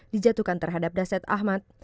dijatuhkan terhadap dasyep ahmad